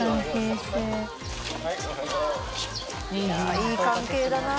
いい関係だな。ねぇ。